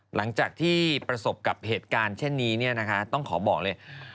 หลังจากที่ประสบกับเหตุการณ์เช่นนี้ต้องขอบอกเลย